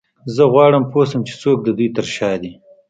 زه غواړم پوه شم چې څوک د دوی تر شا دی